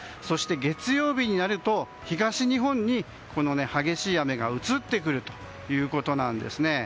月曜日になると東日本に激しい雨が移ってくるということなんですね。